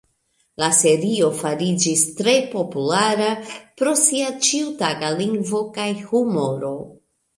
La serio fariĝis tre populara pro sia ĉiutaga lingvo kaj humoro.